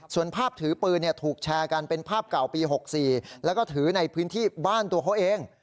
ส่วนภาพถือปืนถูกแชร์กันเป็นภาพเก่าปี๖๔แล้วก็ถือในพื้นที่บ้านตัวเขาเอง